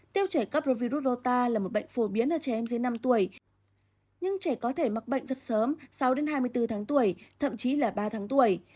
tiêu trẻ cấp virus rota là một bệnh phổ biến ở trẻ em dưới năm tuổi nhưng trẻ có thể mắc bệnh rất sớm sáu hai mươi bốn tháng tuổi thậm chí là ba tháng tuổi